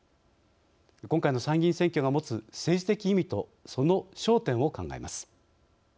今回の参議院選挙が持つ政治的意味とその焦点を考えます。